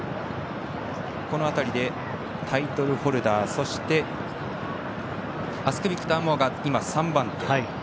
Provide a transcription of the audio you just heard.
この辺りで、タイトルホルダーそしてアスクビクターモアが３番手。